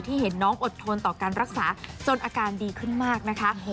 เห็นน้องอดทนต่อการรักษาจนอาการดีขึ้นมากนะคะ